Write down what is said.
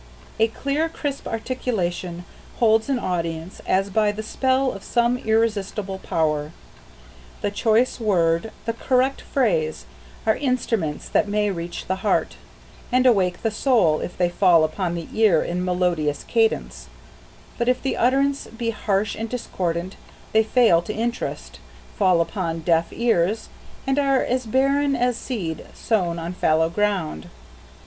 A clear, crisp articulation holds an audience as by the spell of some irresistible power. The choice word, the correct phrase, are instruments that may reach the heart, and awake the soul if they fall upon the ear in melodious cadence; but if the utterance be harsh and discordant they fail to interest, fall upon deaf ears, and are as barren as seed sown on fallow ground.